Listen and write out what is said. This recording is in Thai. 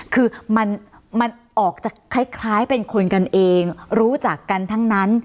คือมันออกจะคล้ายเป็นคนกันเองรู้จักกันทั้งนั้น